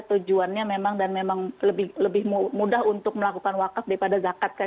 tujuannya memang dan memang lebih mudah untuk melakukan wakaf daripada zakat kan